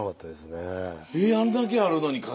えあんだけあるのに数。